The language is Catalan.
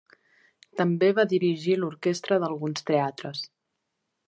També va dirigir l'orquestra d'alguns teatres.